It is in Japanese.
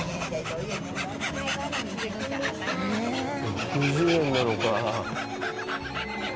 ６０円なのか。